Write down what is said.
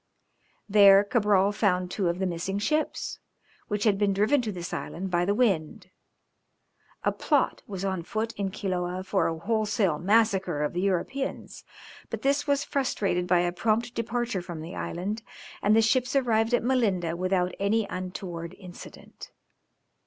There Cabral found two of the missing ships, which had been driven to this island by the wind. A plot was on foot in Quiloa for a wholesale massacre of the Europeans, but this was frustrated by a prompt departure from the island, and the ships arrived at Melinda without any untoward incident.